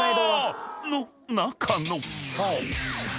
［の中の］